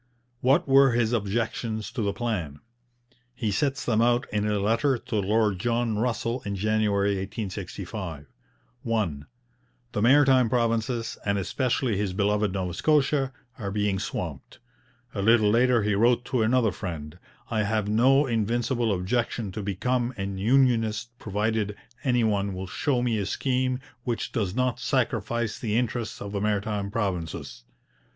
What were his objections to the plan? He sets them out in a letter to Lord John Russell in January 1865. 1. The Maritime Provinces, and especially his beloved Nova Scotia, are being swamped. A little later he wrote to another friend: 'I have no invincible objection to become an unionist provided any one will show me a scheme which does not sacrifice the interests of the Maritime Provinces.' 2.